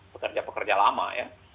pekerja pekerja lama ya